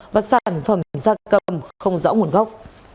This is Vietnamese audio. và sản phẩm da cầm không rõ nguồn gốc